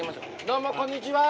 どうもこんにちは！